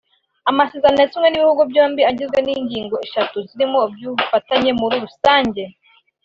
Amasezerano yasinywe n’ibihugu byombi agizwe n’ingingo eshatu zirimo iy’ubufatanye muri rusange